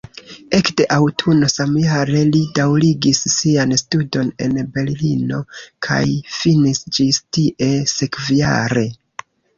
Ekde aŭtuno samjare li daŭrigis sian studon en Berlino kaj finis ĝis tie sekvajare.